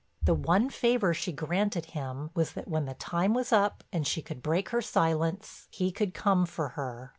The one favor she granted him was that when the time was up and she could break her silence, he could come for her.